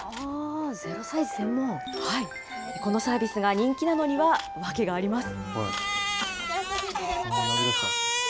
このサービスが人気なのには訳があります。